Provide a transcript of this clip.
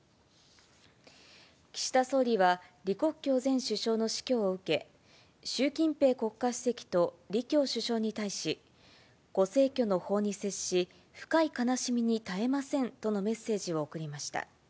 岸田総理は李克強前首相の死去を受け、習近平国家主席と李強首相に対し、ご逝去の報に接し、深い悲しみに堪えませんとのメッセージを送りました。